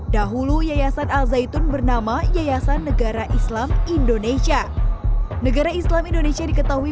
dahulu yayasan al zaitun bernama yayasan negara islam indonesia negara islam indonesia diketahui